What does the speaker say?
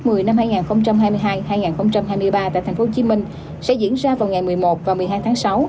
kỳ thi tuyển sinh lớp một mươi năm hai nghìn hai mươi hai hai nghìn hai mươi ba tại tp hcm sẽ diễn ra vào ngày một mươi một và một mươi hai tháng sáu